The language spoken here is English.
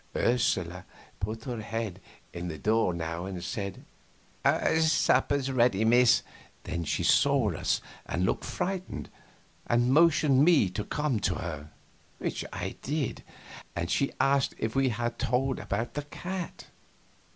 Ursula put her head in at the door now and said: "Supper's ready, miss." Then she saw us and looked frightened, and motioned me to come to her, which I did, and she asked if we had told about the cat.